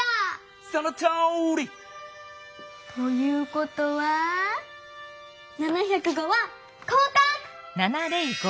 そのとおり！ということは７０５はこうかく！